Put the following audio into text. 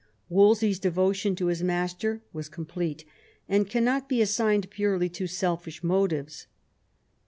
Wolsey's devotion to his master was complete, and cannot be assigned purely to selfish motives.